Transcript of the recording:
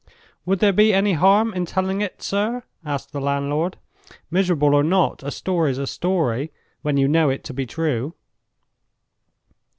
"Would there be any harm in telling it, sir?" asked the landlord. "Miserable or not, a story's a story, when you know it to be true."